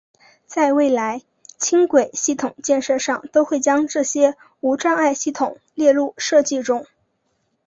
在未来轻轨系统建设上都会将这些无障碍系统列入设计中。